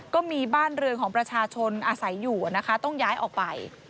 ก็มีบ้านเรือนของประชาชนอาศัยอยู่นะคะต้องย้ายออกไป